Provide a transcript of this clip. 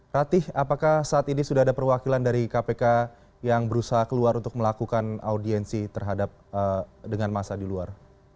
ratih apakah saat ini sudah ada perwakilan dari kpk yang berusaha keluar untuk melakukan audiensi terhadap dengan masa di luar